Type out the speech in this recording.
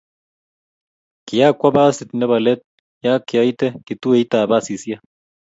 kiakuwo basit nebo let ya koaite kituoitab basisiek